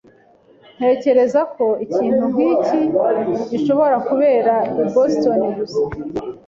Ntekereza ko ikintu nkiki gishobora kubera i Boston gusa.